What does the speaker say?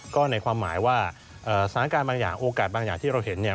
ก็ในความหมายว่าสถานการณ์บางอย่างโอกาสบางอย่างที่เราเห็นเนี่ย